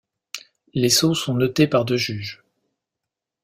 Les sauts sont notés par deux juges.